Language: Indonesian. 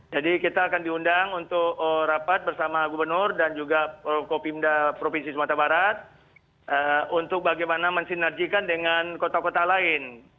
jadi kita akan diundang untuk rapat bersama gubernur dan juga kopimda provinsi sumatera barat untuk bagaimana mensinerjikan dengan kota kota lain